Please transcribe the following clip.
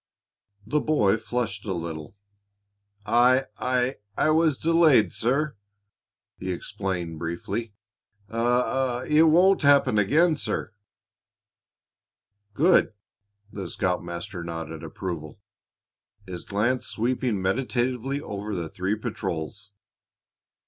The boy flushed a little. "I I was delayed, sir," he explained briefly. "I I it won't happen again, sir." "Good!" The scoutmaster nodded approval, his glance sweeping meditatively over the three patrols.